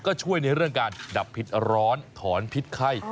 ก็ช่วยในเรื่องการดับพิษร้อนถอนพิษไข้